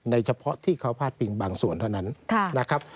เฉพาะที่เขาพาดพิงบางส่วนเท่านั้นนะครับ